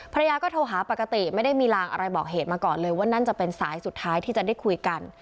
ภรรยาก็โทรหาปกติไม่ได้มีลางอะไรบอกเหตุมาก่อนเลยว่านั่นจะเป็นสายสุดท้ายที่จะได้คุยกัน